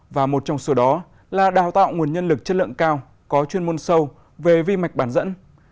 và một trong số đó là đào tạo nguồn nhân lực chất lượng cao có chuyên môn sâu về vi mạch bán dẫn